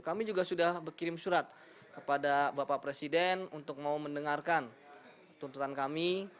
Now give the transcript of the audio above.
kami juga sudah berkirim surat kepada bapak presiden untuk mau mendengarkan tuntutan kami